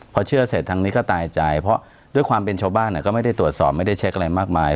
พอเชื่อเสร็จทางนี้ก็ตายใจเพราะด้วยความเป็นชาวบ้านก็ไม่ได้ตรวจสอบไม่ได้เช็คอะไรมากมาย